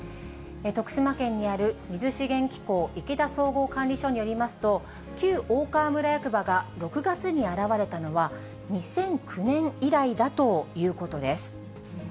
徳島県にある水資源機構池田総合管理所によりますと、旧大川村役場が６月に現れたのは、２００９年以来だということです。